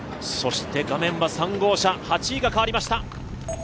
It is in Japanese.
画面は３号車、８位が変わりました。